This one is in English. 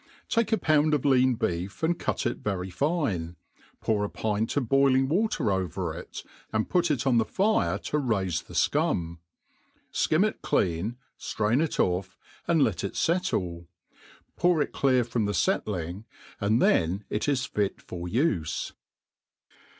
• TAKE a. pound of lean beef and cut it very fine, pour a pint of boiling water over it, and put it on the fire to raife the fcum ; ikim it clean, ftrain it off, and let it fettle; pour it clear from the fettling, and then it is fit for ufe.